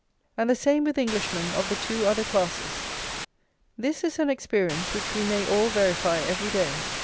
And the same with Englishmen of the two other classes. This is an experience which we may all verify every day.